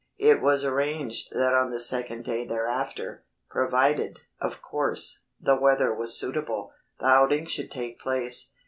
It was arranged that on the second day thereafter, provided, of course, the weather was suitable, the outing should take place.